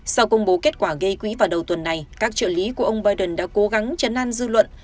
sau công bố kết quả gây quỹ vào đầu tuần này các trợ lý của ông biden đã cố gắng chấn an dư luận